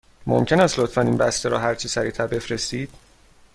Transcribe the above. ممکن است لطفاً این بسته را هرچه سریع تر بفرستید؟